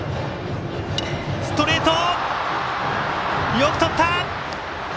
よくとった！